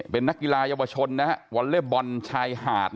เป็นนักกีฬาเยาวชนนะฮะวอลเล็บบอลชายหาด